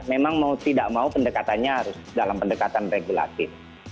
memang mau tidak mau pendekatannya harus dalam pendekatan regulasi